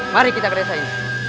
mari kita ke desa ini